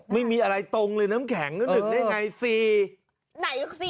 ไม่มีอะไรตรงเลยน้ำแข็งน้ำ๑ได้ไง๔